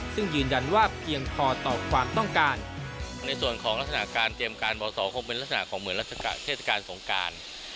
ซึ่งยืนดันว่าเพียงพอต่อครองต้องการ